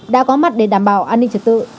đã có mặt để đảm bảo an ninh trật tự